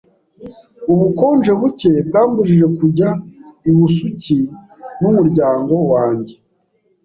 Ubukonje buke bwambujije kujya Ibusuki n'umuryango wanjye.